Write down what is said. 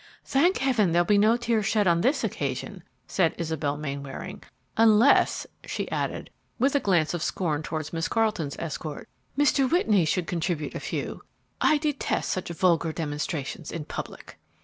"Thank heaven, there'll be no tears shed on this occasion!" said Isabel Mainwaring; "unless," she added, with a glance of scorn towards Miss Carleton's escort, "Mr. Whitney should contribute a few. I detest such vulgar demonstrations in public!"